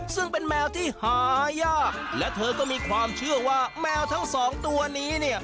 ซึ่งเป็นแมวที่หายากและเธอก็มีความเชื่อว่าแมวทั้งสองตัวนี้เนี่ย